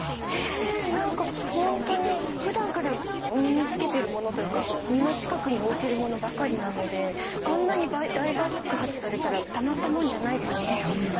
えっなんかホントに普段から身につけてるものというか身の近くに置いてるものばかりなのであんなに大爆発されたらたまったもんじゃないですね。